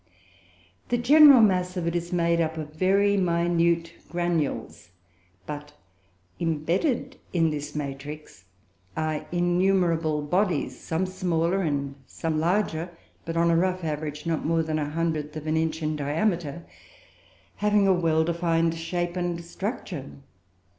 The general mass of it is made up of very minute granules; but, imbedded in this matrix, are innumerable bodies, some smaller and some larger, but, on a rough average, not more than a hundredth of an inch in diameter, having a well defined shape and structure.